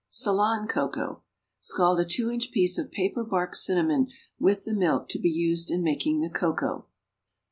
=Ceylon Cocoa.= Scald a two inch piece of paper bark cinnamon with the milk to be used in making the cocoa.